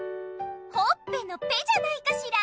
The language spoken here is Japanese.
ほっぺの「ぺ」じゃないかしら。